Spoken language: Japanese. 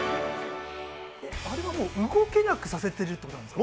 あれはもう動けなくさせてるんですか？